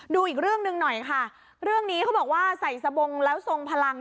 ดูอีกเรื่องหนึ่งหน่อยค่ะเรื่องนี้เขาบอกว่าใส่สบงแล้วทรงพลัง